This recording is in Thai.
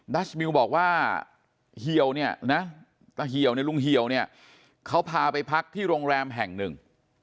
ดัชมิลบอกว่าเหี่ยวเนี่ยลุงเหี่ยวเนี่ยเขาพาไปพักที่โรงแรมแห่งหนึ่ง